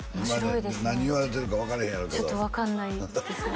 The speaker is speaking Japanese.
何言われてるか分からへんやろうけどちょっと分かんないですね